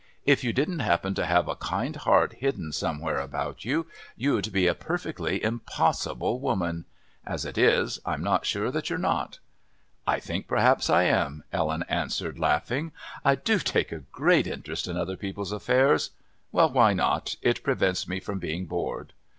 "If you didn't happen to have a kind heart hidden somewhere about you, you'd be a perfectly impossible woman. As it is, I'm not sure that you're not." "I think perhaps I am," Ellen answered, laughing. "I do take a great interest in other people's affairs. Well, why not? It prevents me from being bored."